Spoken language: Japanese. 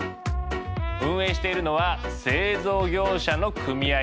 運営しているのは製造業者の組合。